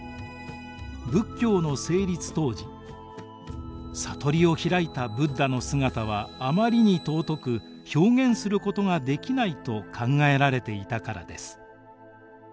仏教の成立当時悟りを開いたブッダの姿はあまりに尊く表現することができないと考えられていたからです。